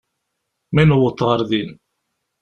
Mi newweḍ ɣer din.